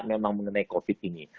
memang mengenai covid ini